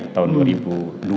nah yang menarik disini